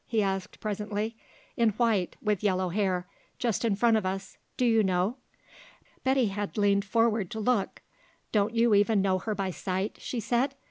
he asked presently. "In white, with yellow hair. Just in front of us. Do you know?" Betty had leaned forward to look. "Don't you even know her by sight?" she said.